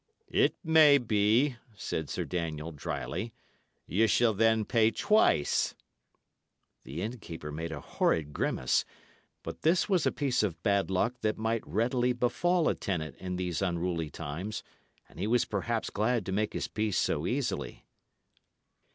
"It may be," said Sir Daniel, dryly. "Ye shall then pay twice." The innkeeper made a horrid grimace; but this was a piece of bad luck that might readily befall a tenant in these unruly times, and he was perhaps glad to make his peace so easily.